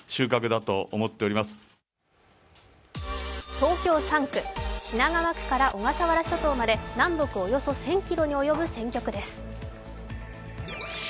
東京３区、品川区から小笠原諸島まで南北およそ１０００ｋｍに及ぶ選挙区です。